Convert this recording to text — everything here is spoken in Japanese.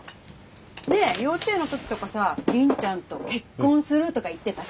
ねえ幼稚園の時とかさ凜ちゃんと結婚するとか言ってたし。